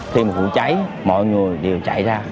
khi một vụ cháy mọi người đều chạy ra